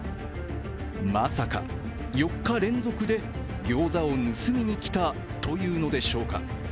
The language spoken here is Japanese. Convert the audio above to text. まさか４日連続でギョーザを盗みに来たというのでしょうか。